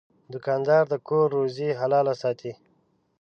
دوکاندار د کور روزي حلاله ساتي.